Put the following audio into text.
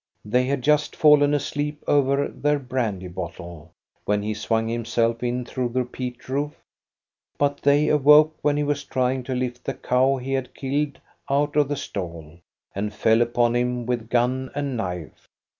They had just fallen asleep over their brandy bottle, when he swung him self in through the peat roof; but they awoke, when he was trying to lift the cow he had killed out of the stall, and fell upon him with gun and knife.